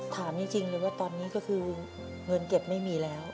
ถามจริงเลยว่าตอนนี้ก็คือเงินเก็บไม่มีแล้ว